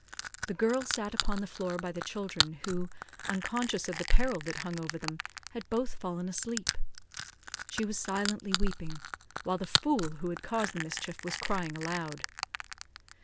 The girl sat upon the floor by the children, who, unconscious of the peril that hung over them, had both fallen asleep. She was silently weeping; while the fool who had caused the mischief was crying aloud.